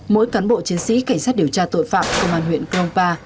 mỗi cán bộ chiến sĩ cảnh sát điều tra tội phạm công an huyện krongpa